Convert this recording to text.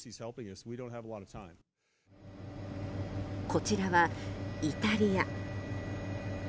こちらはイタリア。